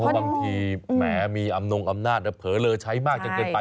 บางทีแหมมีอำนงอำนาจเผลอเลอใช้มากจนเกินไป